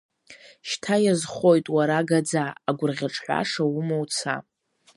Шьҭа иазхоит уара, агаӡа, агәырӷьаҿҳәаша ума уца!